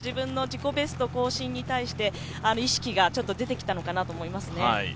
たぶん恐らく大会記録や自分の自己ベスト更新に対して意識がちょっと出てきたのかなと思いますね。